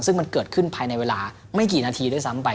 ซึ่งมันเกิดขึ้นภายในเวลาไม่กี่นาทีด้วยซ้ำไป